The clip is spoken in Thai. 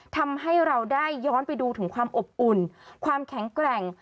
ทำให้เราได้ย้อนไปดูถึงความอบอุ่นความแข็งแกร่ง